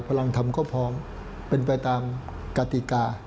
กำลังทำก็พร้อมเป็นไปตามกติกา